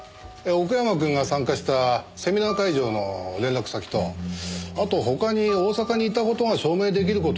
奥山くんが参加したセミナー会場の連絡先とあと他に大阪にいた事が証明出来る事はないかって。